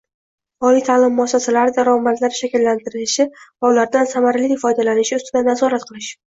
oliy ta’lim muassasalari daromadlari shakllantirilishi va ulardan samarali foydalanilishi ustidan nazorat qilish.